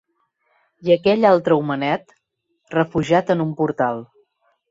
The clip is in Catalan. I aquell altre homenet, refugiat en un portal